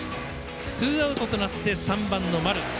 ツーアウトとなって３番の丸。